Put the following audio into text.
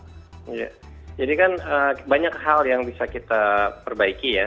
jadi kan banyak hal yang bisa kita perbaiki ya